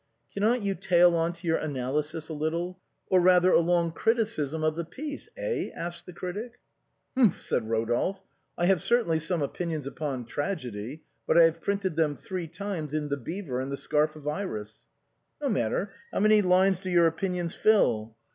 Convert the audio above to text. " Cannot you tail on to your analysis a little, or rather a long criticism of the piece, eh?" asked the critic. " Humph," said Rodolphe. " I have certainly some THE COST OF A FIVE FRANC PIECE. 97 opinions upon tragedy, but I have printed them three times in ' The Beaver ' and ' The Scarf of Iris.' "" No matter, how many lines do your opinions fill